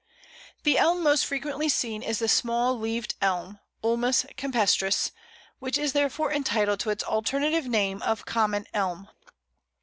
] The Elm most frequently seen is the Small leaved Elm (Ulmus campestris), which is therefore entitled to its alternative name of Common Elm.